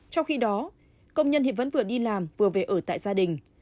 trong khi đó công nhân hiện vẫn vừa đi làm vừa về ở tại gia đình